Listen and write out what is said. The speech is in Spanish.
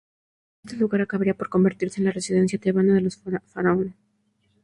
Este lugar acabaría por convertirse en la residencia tebana de los faraones.